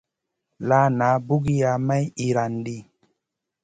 La na pugiya may irandi.